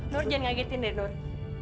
nur jan ngagetin deh nur